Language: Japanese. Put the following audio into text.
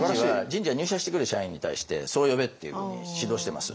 人事は入社してくる社員に対してそう呼べっていうふうに指導してます。